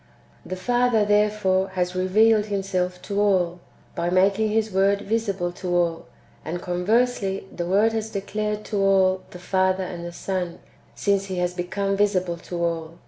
The Father therefore has revealed Himself to all, by making His Word visible to all ; and, conversely, the Word has declared to all the Father and the Son, since He has become visible to all.